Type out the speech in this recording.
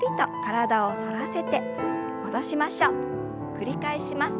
繰り返します。